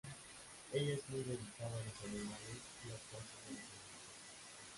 Ella es muy dedicada a los animales y las causas de los animales.